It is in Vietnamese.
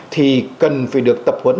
thì cần phải được tập huấn